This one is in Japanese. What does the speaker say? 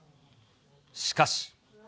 しかし。